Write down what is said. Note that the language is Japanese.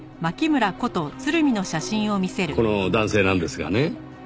この男性なんですがね